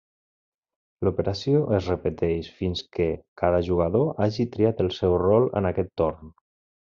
L'operació es repeteix fins que cada jugador hagi triat el seu rol en aquest torn.